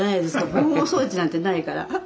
防音装置なんてないから。